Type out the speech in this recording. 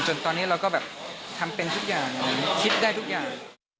ตอนนี้เราก็แบบทำเป็นทุกอย่างคิดได้ทุกอย่าง